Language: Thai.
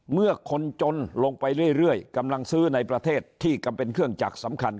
เมื่อคนจนลงไปเรื่อยกำลังซื้อในประเทศที่กำลังเป็นเครื่องจักรสำคัญ